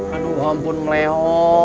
aduh ampun meleho